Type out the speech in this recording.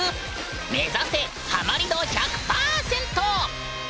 目指せハマり度１００％！